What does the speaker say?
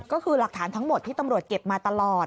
ก็คือหลักฐานทั้งหมดที่ตำรวจเก็บมาตลอด